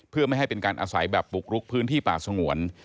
เพื่อไม่ให้เป็นการอาศัยแบบบุกรุกพื้นที่ป่าสงวน